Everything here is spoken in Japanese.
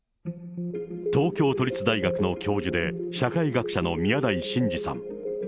東京都立大学の教授で、社会学者の宮台真司さん。